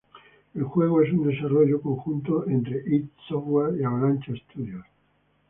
El juego es un desarrollo conjunto entre id Software y Avalanche Studios.